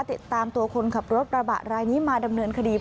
ติดตามตัวคนขับรถกระบะรายนี้มาดำเนินคดี